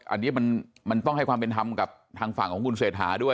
อันนี้มันต้องให้ความเป็นธรรมกับทางฝั่งของคุณเศรษฐาด้วย